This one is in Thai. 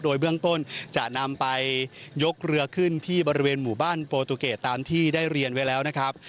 โดยเบื้องต้นจะนำไปยกเรือขึ้นที่บริเวณหมู่บ้านโปรตูเกตตามที่ได้เรียนไว้แล้วนะครับ